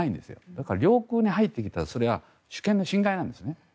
だから領空に入ってきたら主権の侵害なんですね。